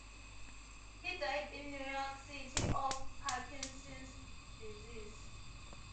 He died in New York City of Parkinson's disease.